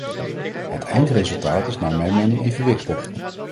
Het eindresultaat is naar mijn mening evenwichtig.